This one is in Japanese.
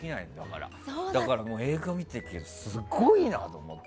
だから映画を見ててすごいなと思って。